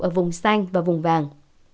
ở vùng xanh và vùng vàng